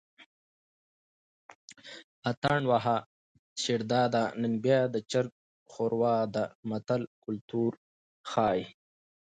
اتڼ وهه شیرداده نن بیا د چرګ ښوروا ده متل کولتور ښيي